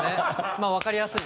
まあ分かりやすい。